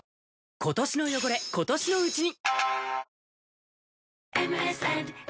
今年の汚れ、今年のうちに。